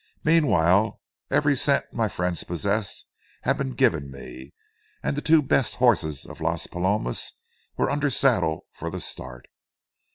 Meanwhile every cent my friends possessed had been given me, and the two best horses of Las Palomas were under saddle for the start.